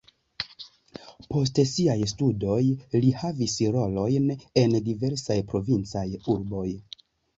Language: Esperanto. Post siaj studoj li havis rolojn en diversaj provincaj urboj.